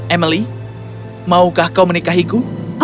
emily maukah kau menikahiku